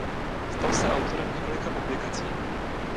Stal se autorem několika publikací.